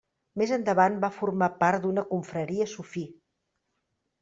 Més endavant va formar part d'una confraria sufí.